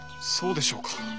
そうでしょうか？